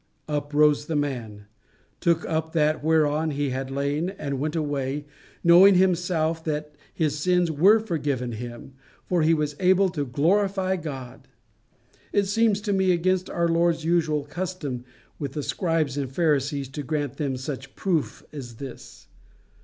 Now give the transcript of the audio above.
Up rose the man, took up that whereon he had lain, and went away, knowing in himself that his sins were forgiven him, for he was able to glorify God. It seems to me against our Lord's usual custom with the scribes and Pharisees to grant them such proof as this.